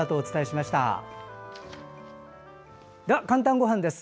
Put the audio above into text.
では「かんたんごはん」です。